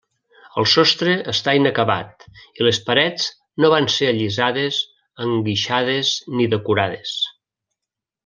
El sostre està inacabat i les parets no van ser allisades, enguixades ni decorades.